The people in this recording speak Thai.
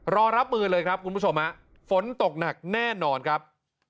รอรับมือเลยครับคุณผู้ชมฮะฝนตกหนักแน่นอนครับ